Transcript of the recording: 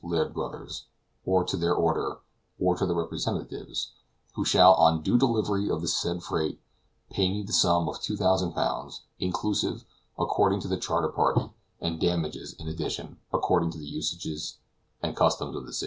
Laird Brothers, or to their order, or to their representatives, who shall on due delivery of the said freight pay me the sum of 2,000 L. inclusive, according to the charter party, and damages in addition, according to the usages and customs of the sea.